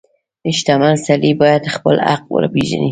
• شتمن سړی باید خپل حق وپیژني.